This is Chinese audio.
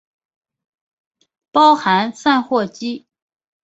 包含散货机。